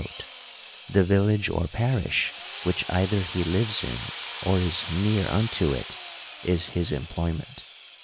71 out, the village or parish which either he lives in, or is near unto it, is his employment.